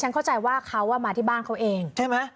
ฉันเข้าใจว่าเขามาที่บ้านเขาเอง